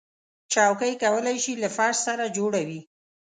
چوکۍ کولی شي له فرش سره جوړه وي.